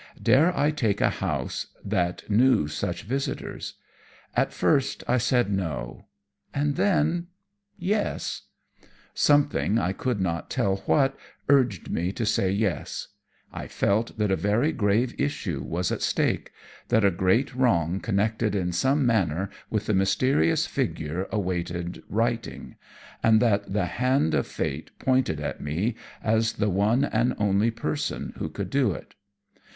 Dare I take a house that knew such visitors? At first I said no, and then yes. Something, I could not tell what, urged me to say yes. I felt that a very grave issue was at stake that a great wrong connected in some manner with the mysterious figure awaited righting, and that the hand of Fate pointed at me as the one and only person who could do it.